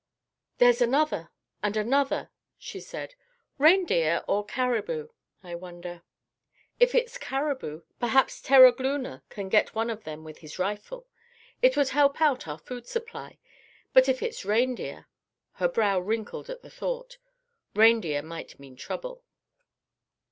"There's another and another," she said. "Reindeer or caribou? I wonder. If it's caribou, perhaps Terogloona can get one of them with his rifle. It would help out our food supply. But if it's reindeer—" her brow wrinkled at the thought, "reindeer might mean trouble."